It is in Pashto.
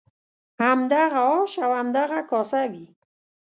همدغه آش او همدغه کاسه وي.